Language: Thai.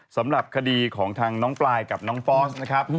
สำหรับคดีของทางน้องปลายกับน้องฟอสนะครับ